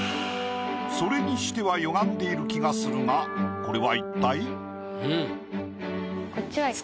それにしては歪んでいる気がするがこれは一体？